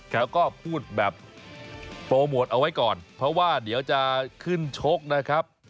แล้วก็พูดแบบโปรโมทเอาไว้ก่อนเพราะว่าเดี๋ยวจะขึ้นชกนะครับ